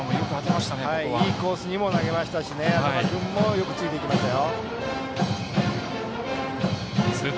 いいコースに投げましたし安座間君もよくついていきました。